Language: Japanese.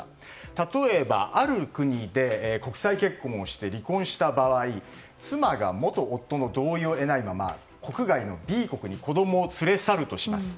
例えば、ある国で国際結婚をして離婚した場合妻が元夫の同意を得ないまま国外のＢ国に子供を連れ去るとしまう。